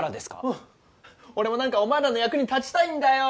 うん俺も何かお前らの役に立ちたいんだよ